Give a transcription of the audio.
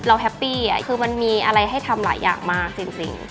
แฮปปี้คือมันมีอะไรให้ทำหลายอย่างมากจริง